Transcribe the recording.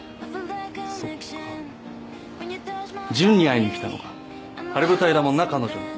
そっか純に会いにきたのか晴れ舞台だもんな彼女の。